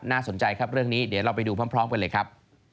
สนใจครับเรื่องนี้เดี๋ยวเราไปดูพร้อมกันเลยครับ